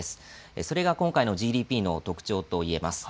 それが今回のＧＤＰの特徴と言えます。